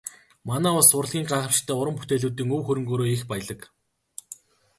Манай улс урлагийн гайхамшигтай уран бүтээлүүдийн өв хөрөнгөөрөө их баялаг.